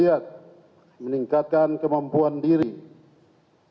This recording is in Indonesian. yang lebih tinggi dari kekuatan yang ada di dunia